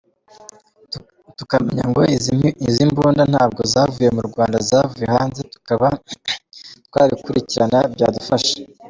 Tukamenya ngo izi mbunda ntabwo zavuye mu Rwanda zavuye hanze tukaba twabikurikirana byadufasha”.